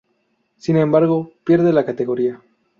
Sin embargo, pierde la categoría.